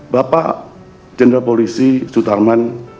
bapak jenderal polisi sutarman